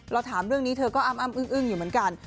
ถามเรื่องนี้เธอก็อ้ำอึ้งอยู่เหมือนกัน